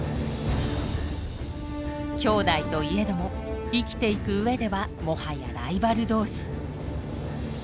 きょうだいといえども生きていく上ではもはやライバル同士。